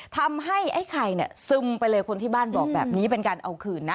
ทำให้ไอ้ไข่เนี่ยซึมไปเลยคนที่บ้านบอกแบบนี้เป็นการเอาคืนนะ